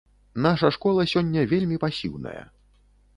Наша школа сёння вельмі пасіўная.